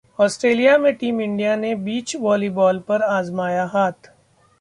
Australia में team India ने beach volleyball पर आजमाया हाथ